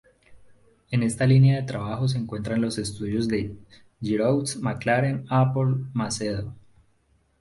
En esta línea de trabajo se encuentran los estudios de Giroux, McLaren, Apple, Macedo.